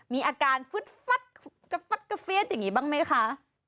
มีอาการฟึดฟัดกระเฟียดอย่างนี้บ้างมั้ยค่ะ